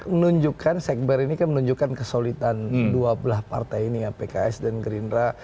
menunjukkan sekber ini kan menunjukkan kesolidan dua belah partai ini ya pks dan gerindra